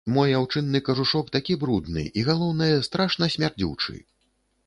Мой аўчынны кажушок такі брудны і, галоўнае, страшна смярдзючы.